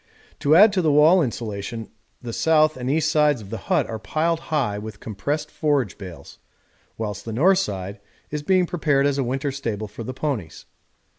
To add to the wall insulation the south and east sides of the hut are piled high with compressed forage bales, whilst the north side is being prepared as a winter stable for the ponies.